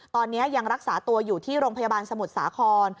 ตอนนี้ยังรักษาตัวอยู่ที่โรงพยาบาลสมุทรสาคร